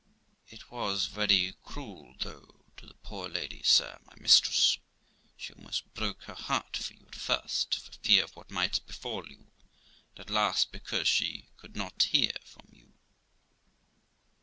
It was very cruel, though, to the poor lady, sir, my mistress ; she almost broke her heart for you at first, for fear of what might befall you, and at last because she could not hear from you.